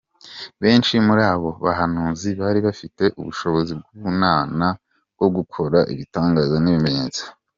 Benshi muri abo bahanuzi bari bafite ubushobozi bw’ubumana bwo gukora ibitangaza n’ibimenyetso.